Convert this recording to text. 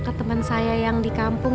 ke teman saya yang di kampung